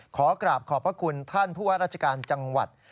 ขอกราบขอบพระคุณท่านผู้ว่าราชการจังหวัด